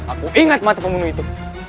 aku ingat mata pembunuh itu